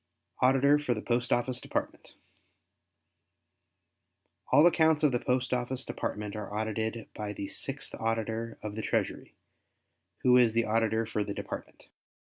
Auditor for the Post Office Department All accounts of the Post Office Department are audited by the Sixth Auditor of the Treasury, who is the Auditor for the Department.